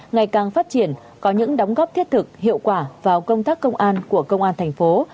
ngày càng phát triển có những đóng góp thiết thực hiệu quả vào công tác công an của công an thành phố